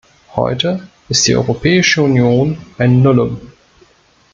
Heute ist die Europäische Union ein Nullum.